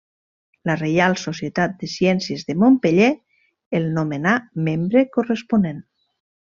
La Reial Societat de Ciències de Montpeller el nomenà membre corresponent.